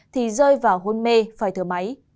thì rơi vào hôn mê phải thở máy